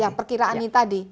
ya perkiraannya tadi